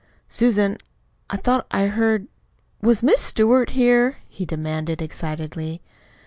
"Susan, I thought I heard WAS Miss Stewart here?" he demanded excitedly.